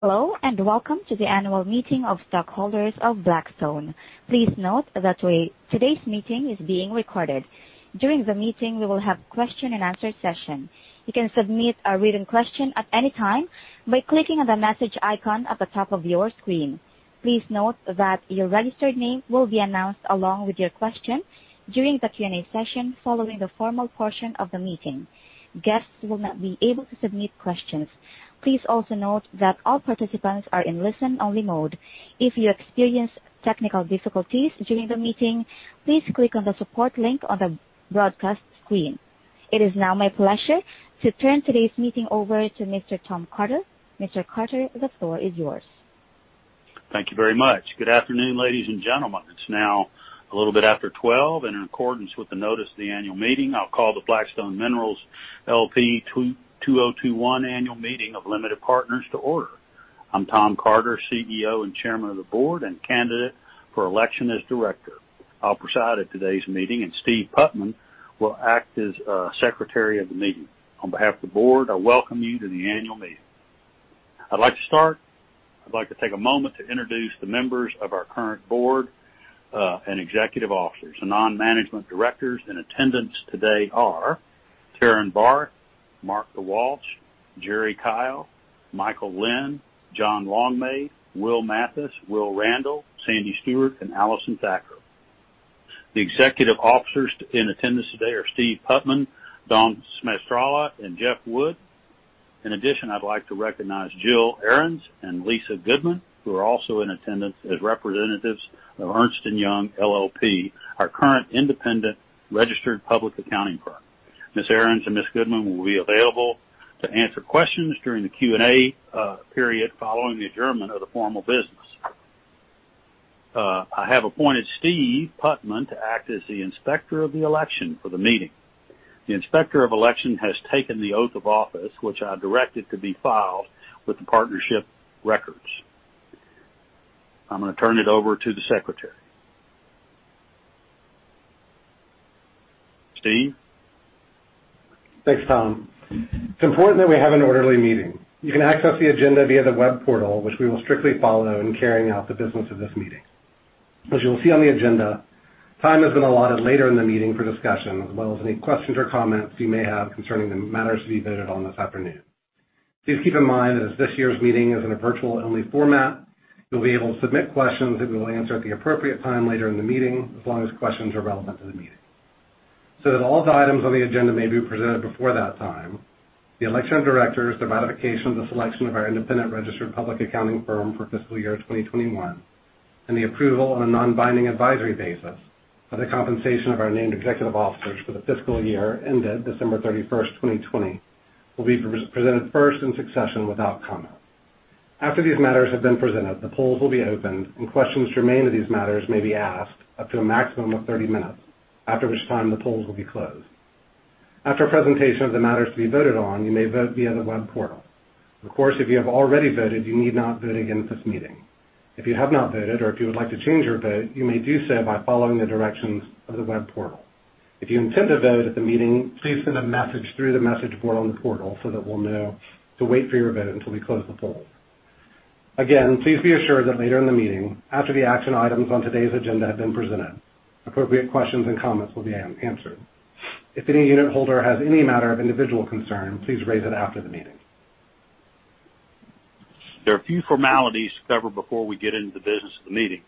Hello, welcome to the annual meeting of stockholders of Black Stone Minerals, L.P. Please note that today's meeting is being recorded. During the meeting, we will have question and answer session. You can submit a written question at any time by clicking on the message icon at the top of your screen. Please note that your registered name will be announced along with your question during the Q&A session following the formal portion of the meeting. Guests will not be able to submit questions. Please also note that all participants are in listen-only mode. If you experience technical difficulties during the meeting, please click on the support link on the broadcast screen. It is now my pleasure to turn today's meeting over to Mr. Tom Carter Jr. Mr. Carter, the floor is yours. Thank you very much. Good afternoon, ladies and gentlemen. It's now a little bit after 12:00, and in accordance with the notice of the annual meeting, I'll call the Black Stone Minerals, L.P. 2021 Annual Meeting of Limited Partners to order. I'm Tom Carter, CEO and Chairman of the Board and candidate for election as Director. I'll preside at today's meeting, and Steve Putman will act as Secretary of the Meeting. On behalf of the Board, I welcome you to the annual meeting. I'd like to start. I'd like to take a moment to introduce the members of our current Board and executive officers. The non-management Directors in attendance today are Carin Barth, Mark DeWalch, Jerry Kyle, Michael Linn, John Longmaid, Will Mathis, Will Randall, Carroll Stuart, and Allison Thacker. The executive officers in attendance today are Steve Putman, Dawn Smajstrla, and Jeff Wood. In addition, I'd like to recognize Jill Ahrens and Lisa Goodman, who are also in attendance as representatives of Ernst & Young LLP, our current independent registered public accounting firm. Ms. Ahrens and Ms. Goodman will be available to answer questions during the Q&A period following the adjournment of the formal business. I have appointed Steve Putman to act as the Inspector of Election for the meeting. The Inspector of Election has taken the oath of office, which I directed to be filed with the partnership records. I'm going to turn it over to the Secretary. Steve? Thanks, Tom. It's important that we have an orderly meeting. You can access the agenda via the web portal, which we will strictly follow in carrying out the business of this meeting. As you'll see on the agenda, time has been allotted later in the meeting for discussion, as well as any questions or comments you may have concerning the matters to be voted on this afternoon. Please keep in mind that as this year's meeting is in a virtual-only format, you'll be able to submit questions that we will answer at the appropriate time later in the meeting, as long as questions are relevant to the meeting. That all the items on the agenda may be presented before that time, the election of directors, the ratification of the selection of our independent registered public accounting firm for fiscal year 2021, and the approval on a non-binding advisory basis of the compensation of our named executive officers for the fiscal year ended December 31st, 2020, will be presented first in succession without comment. After these matters have been presented, the polls will be open, and questions remaining on these matters may be asked up to a maximum of 30 minutes, after which time the polls will be closed. After presentation of the matters to be voted on, you may vote via the web portal. Of course, if you have already voted, you need not vote again at this meeting. If you have not voted or if you would like to change your vote, you may do so by following the directions of the web portal. If you intend to vote at the meeting, please send a message through the message board on the portal so that we'll know to wait for your vote until we close the poll. Again, please be assured that later in the meeting, after the action items on today's agenda have been presented, appropriate questions and comments will be answered. If any unitholder has any matter of individual concern, please raise it after the meeting. There are a few formalities to cover before we get into the business of the meeting.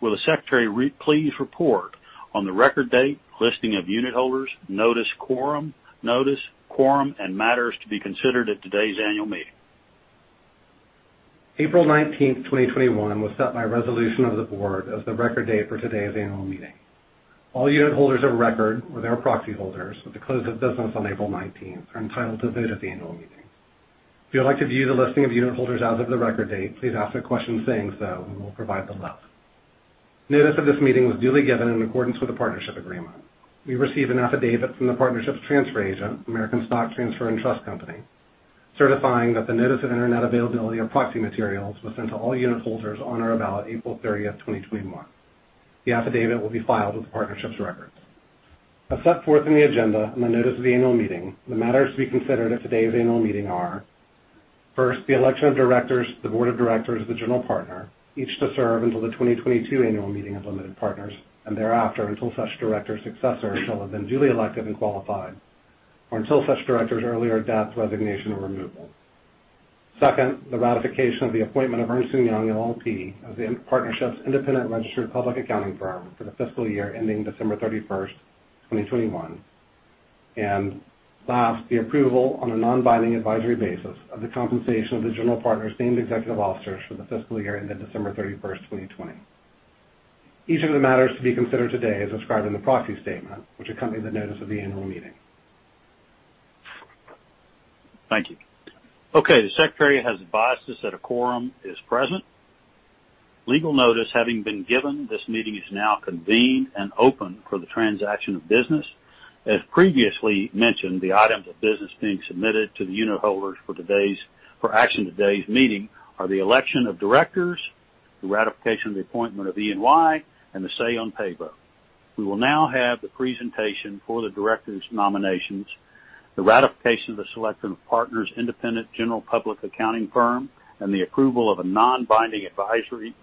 Will the Secretary please report on the record date, listing of unitholders, notice quorum, and matters to be considered at today's annual meeting. April 19th, 2021, was set by resolution of the board as the record date for today's annual meeting. All unitholders of record or their proxy holders at the close of business on April 19th are entitled to visit the annual meeting. If you'd like to view the listing of unitholders as of the record date, please ask a question saying so and we'll provide the list. Notice of this meeting was duly given in accordance with the partnership agreement. We received an affidavit from the partnership's transfer agent, American Stock Transfer & Trust Company, certifying that the notice and internet availability of proxy materials was sent to all unitholders on or about April 30th, 2021. The affidavit will be filed with the partnership's records. As set forth in the agenda and the notice of the annual meeting, the matters to be considered at today's annual meeting are, first, the election of directors to the board of directors of the general partner, each to serve until the 2022 annual meeting of limited partners, and thereafter until such director's successor shall have been duly elected and qualified, or until such director's earlier death, resignation, or removal. Second, the ratification of the appointment of Ernst & Young LLP as the partnership's independent registered public accounting firm for the fiscal year ending December 31st, 2021. Last, the approval on a non-binding advisory basis of the compensation of the general partner's named executive officers for the fiscal year ending December 31st, 2020. Each of the matters to be considered today is described in the proxy statement, which accompanied the notice of the annual meeting. Thank you. Okay. The Secretary has advised us that a quorum is present. Legal notice having been given, this meeting is now convened and open for the transaction of business. As previously mentioned, the items of business being submitted to the unitholders for action at today's meeting are the election of Directors, the ratification of the appointment of EY, and the say on pay vote. We will now have the presentation for the Directors' nominations, the ratification of the selection of partners, independent general public accounting firm, and the approval on a non-binding advisory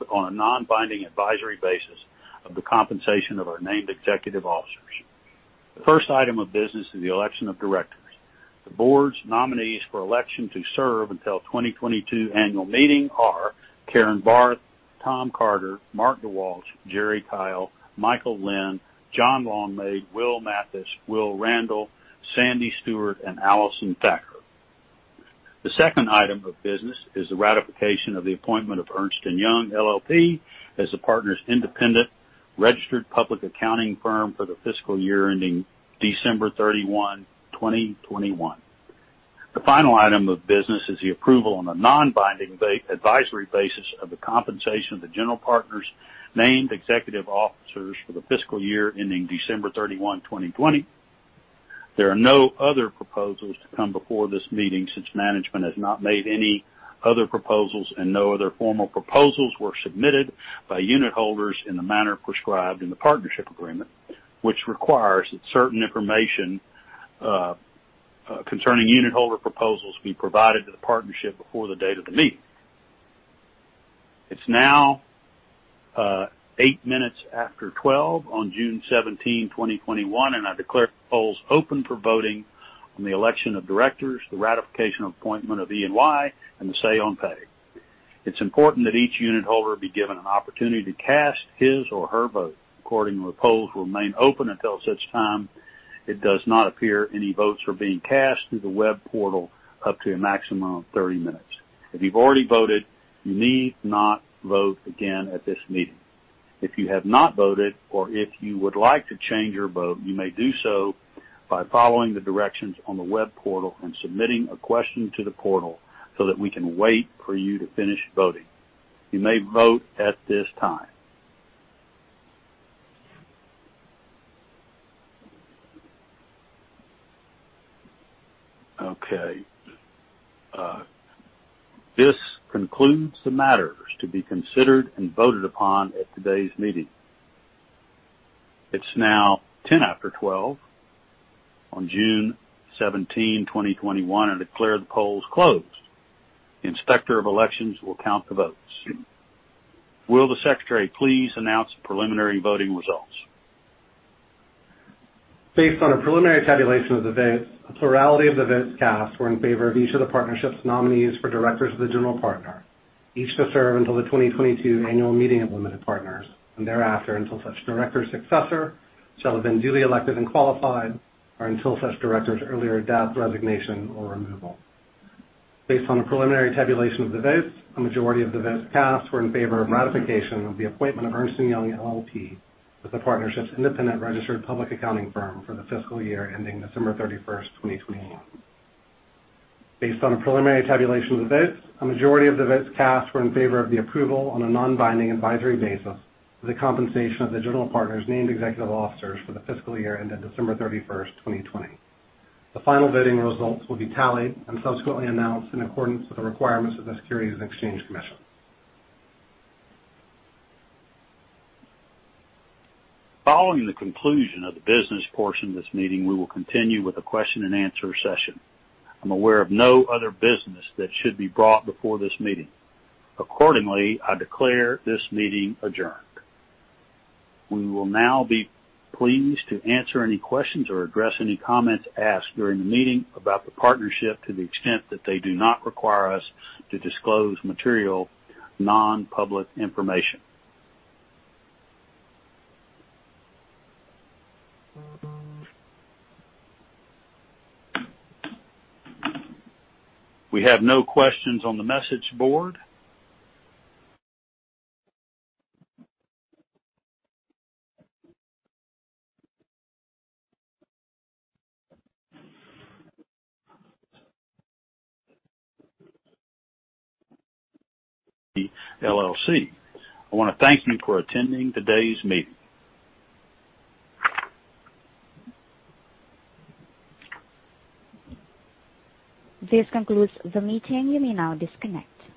basis of the compensation of our named executive officers. The first item of business is the election of Directors. The Board's nominees for election to serve until 2022 annual meeting are Carin Barth, Tom Carter, Mark DeWalch, Jerry Kyle, Michael Linn, John Longmaid, Will Mathis, Will Randall, Xandy Stuart, and Allison Thacker. The second item of business is the ratification of the appointment of Ernst & Young LLP as the partner's independent registered public accounting firm for the fiscal year ending December 31st, 2021. The final item of business is the approval on a non-binding advisory basis of the compensation of the general partner's named executive officers for the fiscal year ending December 31st, 2020. There are no other proposals to come before this meeting since management has not made any other proposals and no other formal proposals were submitted by unitholders in the manner prescribed in the partnership agreement, which requires that certain information concerning unitholder proposals be provided to the partnership before the date of the meeting. It's now 8 minutes after 12:00 P.M. on June 17th, 2021, I declare the polls open for voting on the election of directors, the ratification appointment of E&Y, and the say on pay. It's important that each unitholder be given an opportunity to cast his or her vote. Accordingly, the polls will remain open until such time it does not appear any votes are being cast through the web portal up to a maximum of 30 minutes. If you've already voted, you need not vote again at this meeting. If you have not voted or if you would like to change your vote, you may do so by following the directions on the web portal and submitting a question to the portal so that we can wait for you to finish voting. You may vote at this time. Okay. This concludes the matters to be considered and voted upon at today's meeting. It's now 12:10 P.M. on June 17, 2021, and I declare the polls closed. The Inspector of Elections will count the votes. Will the secretary please announce the preliminary voting results? Based on a preliminary tabulation of the votes, a plurality of the votes cast were in favor of each of the partnership's nominees for directors of the general partner, each to serve until the 2022 annual meeting of limited partners, and thereafter until such director's successor shall have been duly elected and qualified, or until such director's earlier death, resignation, or removal. Based on a preliminary tabulation of the votes, a majority of the votes cast were in favor of ratification of the appointment of Ernst & Young LLP as the partnership's independent registered public accounting firm for the fiscal year ending December 31st, 2021. Based on a preliminary tabulation of the votes, a majority of the votes cast were in favor of the approval on a non-binding advisory basis of the compensation of the general partners' named executive officers for the fiscal year ending December 31st, 2020. The final voting results will be tallied and subsequently announced in accordance with the requirements of the Securities and Exchange Commission. Following the conclusion of the business portion of this meeting, we will continue with a question and answer session. I'm aware of no other business that should be brought before this meeting. Accordingly, I declare this meeting adjourned. We will now be pleased to answer any questions or address any comments asked during the meeting about the partnership to the extent that they do not require us to disclose material non-public information. We have no questions on the message board. Well let's see. I want to thank you for attending today's meeting. This concludes the meeting, and you may now disconnect.